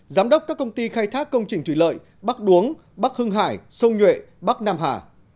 giám đốc các công ty khai thác công trình thủy lợi bắc đuống bắc hưng hải sông nhuệ bắc nam hà